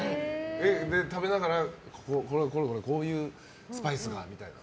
食べながら、これこれこういうスパイスがみたいな？